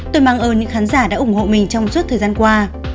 tôi mang ơn những khán giả đã ủng hộ mình trong suốt thời gian qua